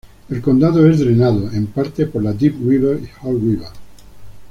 El condado es drenado, en parte, por la Deep River y Haw River.